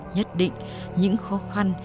nhất định những khó khăn